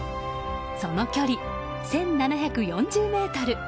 その距離１７４０ｍ。